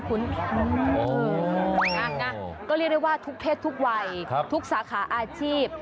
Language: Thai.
คุณก็เรียกได้ว่าทุกเพศทุกวัยทุกสาขาอาชีพ